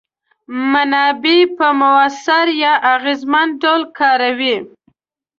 منابع په موثر یا اغیزمن ډول کاروي.